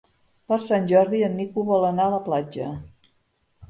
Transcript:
Per Sant Jordi en Nico vol anar a la platja.